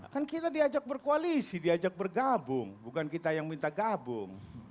kan kita diajak berkoalisi diajak bergabung bukan kita yang minta gabung